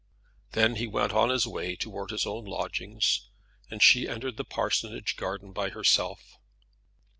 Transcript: Then he went on his way towards his own lodgings, and she entered the parsonage garden by herself.